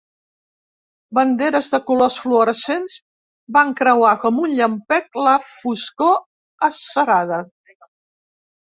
Banderes de colors fluorescents van creuar com un llampec la foscor acerada.